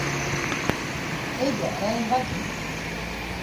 Әйҙә, районға кил.